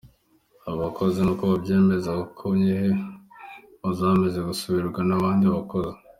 Abo bakozi, nkuko bavyemeza bo nyene, baza bamaze gusubirizwa n'abandi bakozi.